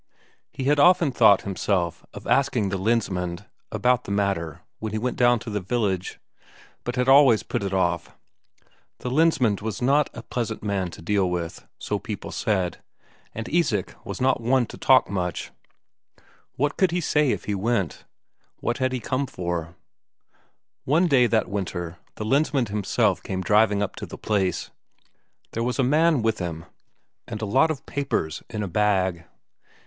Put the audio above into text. He had often thought himself of asking the Lensmand [Footnote: Sheriff's officer, in charge of a small district.] about the matter when he went down to the village, but had always put it off; the Lensmand was not a pleasant man to deal with, so people said, and Isak was not one to talk much. What could he say if he went what had he come for? One day that winter the Lensmand himself came driving up to the place. There was a man with him, and a lot of papers in a bag.